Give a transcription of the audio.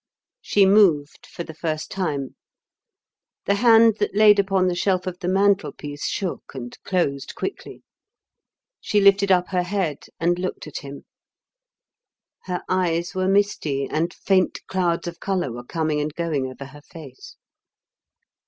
She moved for the first time. The hand that lay upon the shelf of the mantelpiece shook and closed quickly. She lifted up her head and looked at him. Her eyes were misty and faint clouds of color were coming and going over her face.